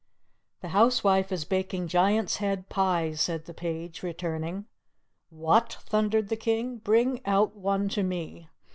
"The housewife is baking Giant's head pies," said the page, returning. "What?" thundered the King. "Bring out one to me!"